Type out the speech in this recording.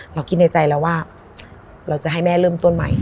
เราคิดในใจแล้วว่าเราจะให้แม่เริ่มต้นใหม่